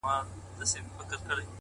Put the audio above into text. • ستا د مخ له اب سره ياري کوي؛